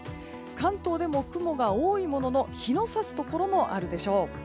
関東でも雲が多いものの日のさすところもあるでしょう。